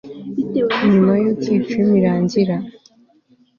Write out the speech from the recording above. nyuma yuko filime irangira